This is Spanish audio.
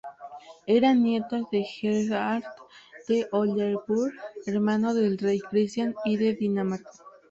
Era nieto de Gerhard de Oldenburg, hermano del rey Cristián I de Dinamarca.